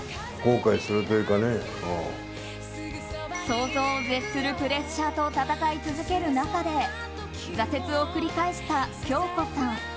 想像を絶するプレッシャーと闘い続ける中で挫折を繰り返した京子さん。